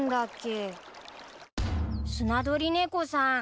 スナドリネコさん